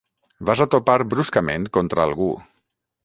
Vas a topar bruscament contra algú.